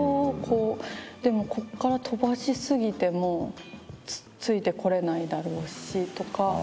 でもこっから飛ばし過ぎてもついてこれないだろうしとか。